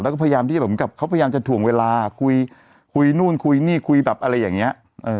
แล้วก็พยายามที่จะเหมือนกับเขาพยายามจะถ่วงเวลาคุยคุยนู่นคุยนี่คุยแบบอะไรอย่างนี้